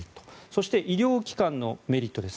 そして医療機関のメリット。